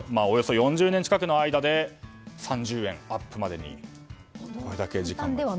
およそ４０年近くの間で３０円アップまでにこれだけの時間が。